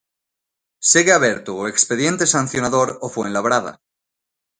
Segue aberto o expediente sancionador ao Fuenlabrada.